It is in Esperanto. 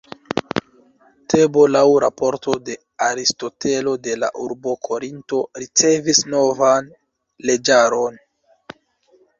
Tebo laŭ raporto de Aristotelo de la urbo Korinto ricevis novan leĝaron.